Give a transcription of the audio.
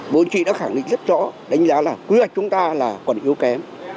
bộ chính trị đã khẳng định rất rõ đánh giá là quy hoạch chúng ta là còn yếu kém